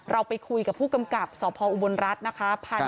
เราไปคุยกับผู้กำกับสพออุบลรัฐนะคะ